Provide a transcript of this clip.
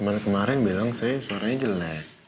kemarin kemarin bilang saya suaranya jelek